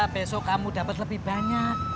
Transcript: besok kamu dapat lebih banyak